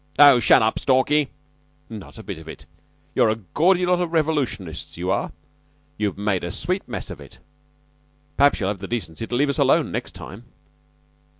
Urh!" "Oh, shut up, Stalky." "Not a bit of it. You're a gaudy lot of resolutionists, you are! You've made a sweet mess of it. Perhaps you'll have the decency to leave us alone next time."